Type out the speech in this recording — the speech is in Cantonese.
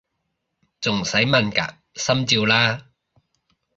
仲使問嘅！心照啦！